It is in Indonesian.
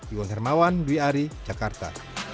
iwan hermawan dwi ari jakarta